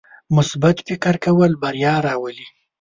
مثبت فکر کول بریا راولي.